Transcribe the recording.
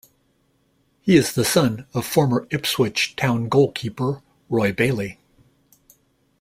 He is the son of former Ipswich Town goalkeeper Roy Bailey.